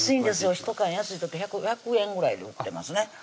１缶安い時１００円ぐらいで売ってますね